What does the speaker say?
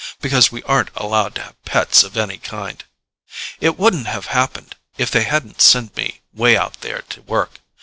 Because we aren't allowed to have pets of any kind. It wouldn't have happened, if they hadn't sent me way out there to work.